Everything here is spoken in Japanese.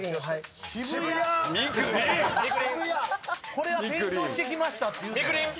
「これは勉強してきました」って言うたやん。